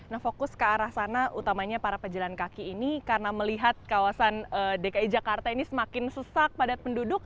nah fokus ke arah sana utamanya para pejalan kaki ini karena melihat kawasan dki jakarta ini semakin sesak padat penduduk